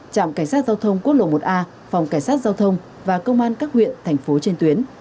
trạm cảnh sát giao thông quốc lộ một a phòng cảnh sát giao thông và công an các huyện thành phố trên tuyến